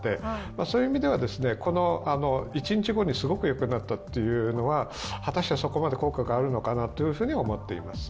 そういう意味では１日後にすごくよくなったというのは、果たしてそこまで効果があるのかなと思っています。